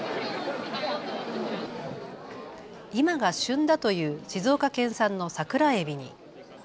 今が旬だという静岡県産のサクラエビに。